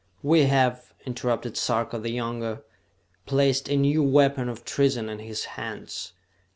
"We have," interrupted Sarka the Younger, "placed a new weapon of treason in his hands!